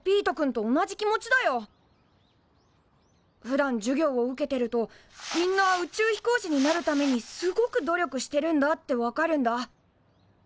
ふだん授業を受けてるとみんな宇宙飛行士になるためにすごく努力してるんだって分かるんだ。